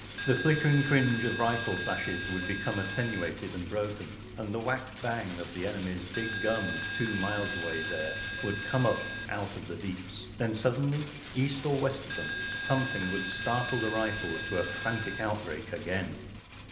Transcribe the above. The flicker¬ ing fringe of rifle flashes would be¬ come attenuated and broken, and the whack bang of the enemy’s big guns two miles away there would come up out of the deeps* Then suddenly, east or west of them, something would startle the rifles to a frantic outbreak again.